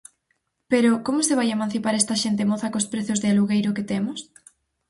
Pero ¿como se vai emancipar esta xente moza cos prezos de alugueiro que temos?